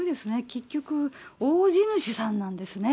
結局、大地主さんなんですね。